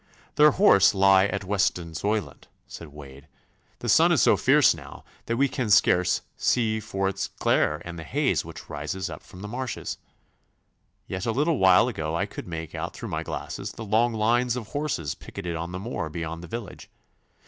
'Their horse lie at Westonzoyland,' said Wade. 'The sun is so fierce now that we can scarce see for its glare and the haze which rises up from the marshes. Yet a little while ago I could make out through my glasses the long lines of horses picketed on the moor beyond the village.